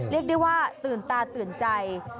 เรียกได้ว่าตื่นตาตื่นใจ